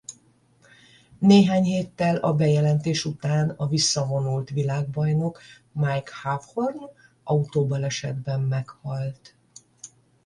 Néhány héttel a bejelentés után a visszavonult világbajnok Mike Hawthorn autóbalesetben meghalt.